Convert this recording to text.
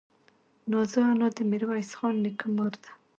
نازو انا دې ميرويس خان نيکه مور ده.